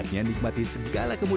terima kasih banyak